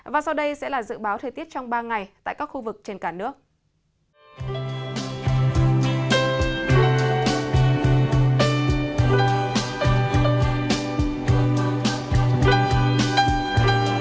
và sau đây sẽ là dự báo thời tiết trong ba ngày tại các khu vực trên cả nước